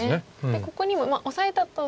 でここにもオサえたとして。